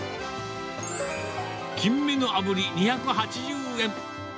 キンメのあぶり２８０円。